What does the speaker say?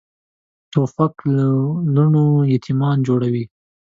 توپک له لوڼو یتیمان جوړوي.